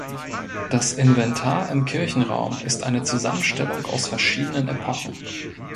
Das Inventar im Kirchenraum ist eine Zusammenstellung aus verschiedenen Epochen.